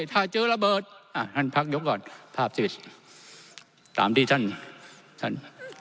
ถ้าเจอระเบิดอ่ะท่านพักยกก่อนภาพสิตามที่ท่านท่าน